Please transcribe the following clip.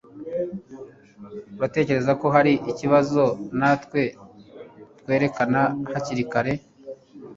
Uratekereza ko hari ikibazo natwe twerekana hakiri kare?